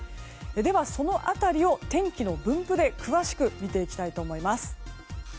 では、その辺りを天気の分布で詳しく見ていきたいと思います。